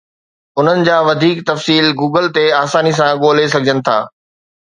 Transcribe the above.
انهن جا وڌيڪ تفصيل گوگل تي آساني سان ڳولي سگهجن ٿا.